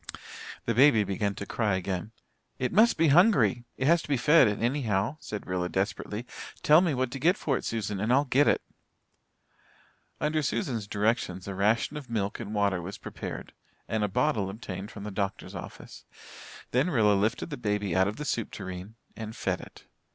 The baby began to cry again. "It must be hungry it has to be fed anyhow," said Rilla desperately. "Tell me what to get for it, Susan, and I'll get it." Under Susan's directions a ration of milk and water was prepared, and a bottle obtained from the doctor's office. Then Rilla lifted the baby out of the soup tureen and fed it.